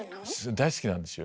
大好きなんですよ。